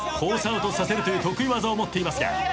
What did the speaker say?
アウトさせるという得意技を持っていますが。